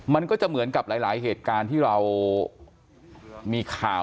มันก็จะเหมือนกับหลายเหตุการณ์ที่เรามีข่าว